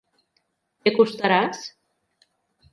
T'hi acostaràs?